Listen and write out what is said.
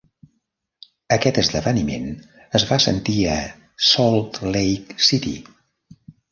Aquest esdeveniment es va sentir a Salt Lake City.